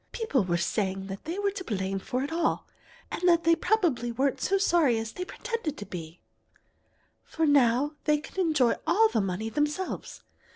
People were saying that they were to blame for it all, and that they probably weren't so sorry as they pretended to be, for now they could enjoy all the money themselves.